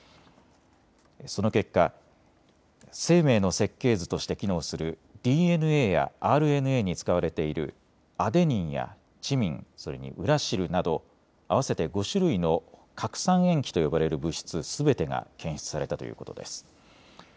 その結果、生命の設計図として機能するＤＮＡやＲＮＡに使われているアデニンやチミン、それにウラシルなど合わせて５種類の核酸塩基と呼ばれる物質すべてが検出されたということです。